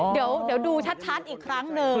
เดี๋ยวดูชัดอีกครั้งหนึ่ง